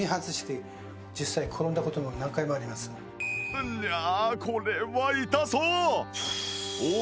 うわあこれは痛そう